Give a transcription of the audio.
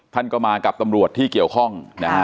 ท่านก็มากับตำรวจที่เกี่ยวข้องนะฮะ